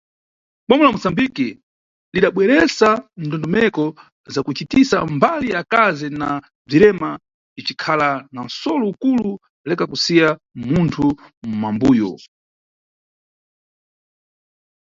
Bma la Mosambiki, lidabweresa ndondomeko za kucitisa mbali akazi na bzirema, icikhala na nʼsolo ukulu "Leka kusiya munthu mʼmambuyo".